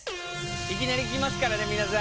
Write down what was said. いきなり来ますからね皆さん。